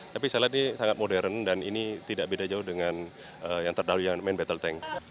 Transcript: tapi saya lihat ini sangat modern dan ini tidak beda jauh dengan yang terdahulu yang main battle tank